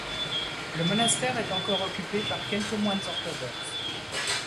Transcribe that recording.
Le monastère est encore occupé par quelques moines orthodoxes.